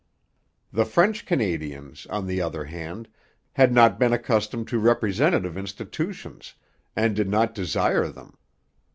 The French Canadians, on the other hand, had not been accustomed to representative institutions, and did not desire them.